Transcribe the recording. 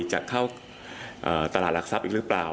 จะเข้าตลาดหลักทรัพย์อีกหรือเปล่า